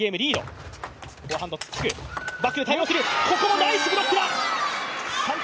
ここもナイスブロックだ。